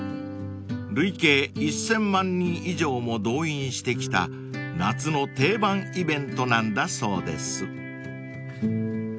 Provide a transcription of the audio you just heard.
［累計１，０００万人以上も動員してきた夏の定番イベントなんだそうです］